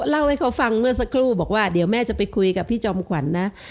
เล่าให้เขาฟังเมื่อสักครู่บอกว่าเดี๋ยวแม่จะไปคุยกับพี่จอมขวัญนะ